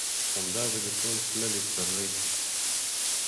خندا به دې ټول تللي پسرلي